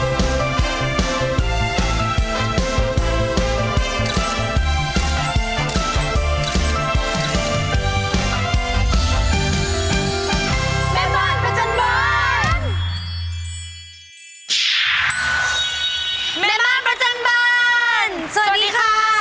สวัสดีคะ